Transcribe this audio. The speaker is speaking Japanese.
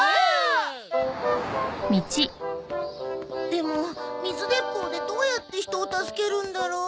でも水でっぽうでどうやって人を助けるんだろう。